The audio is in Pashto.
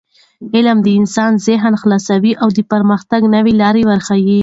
علم د انسان ذهن خلاصوي او د پرمختګ نوې لارې ورښيي.